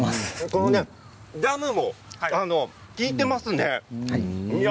このジャムも利いていますね。